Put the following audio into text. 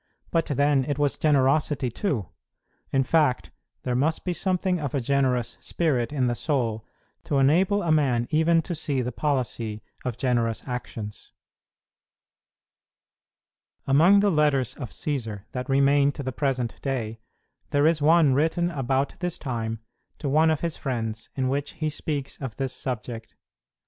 But, then, it was generosity too. In fact, there must be something of a generous spirit in the soul to enable a man even to see the policy of generous actions. Among the letters of Cćsar that remain to the present day, there is one written about this time to one of his friends, in which he speaks of this subject.